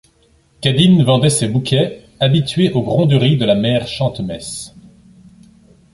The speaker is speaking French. Cadine vendait ses bouquets, habituée aux gronderies de la mère Chantemesse.